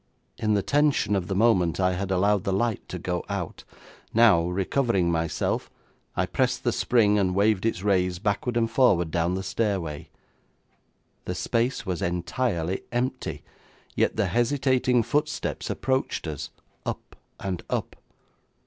In the tension of the moment I had allowed the light to go out; now recovering myself, I pressed the spring, and waved its rays backward and forward down the stairway. The space was entirely empty, yet the hesitating footsteps approached us, up and up.